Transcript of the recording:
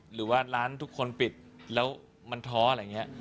หรือว่าร้านทุกคนปิดแล้วมันท้ออะไรอย่างนี้